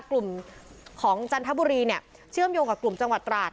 กลุ่มของจันทบุรีเนี่ยเชื่อมโยงกับกลุ่มจังหวัดตราด